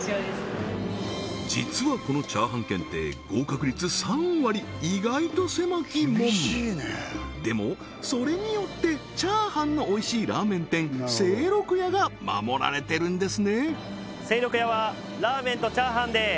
実はこの意外と狭き門でもそれによってチャーハンのおいしいラーメン店清六家が守られてるんですね